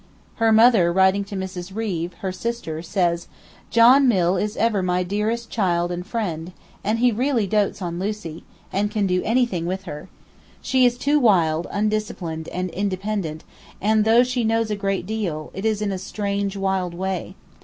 Her mother, writing to Mrs. Reeve, her sister, says: 'John Mill is ever my dearest child and friend, and he really dotes on Lucie, and can do anything with her. She is too wild, undisciplined, and independent, and though she knows a great deal, it is in a strange, wild way.